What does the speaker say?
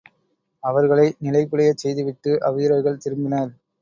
அவர்களை நிலை குலையச் செய்து விட்டு அவ்வீரர்கள் திரும்பினர்.